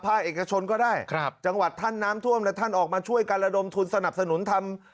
เอกชนก็ได้ครับจังหวัดท่านน้ำท่วมและท่านออกมาช่วยกันระดมทุนสนับสนุนทำ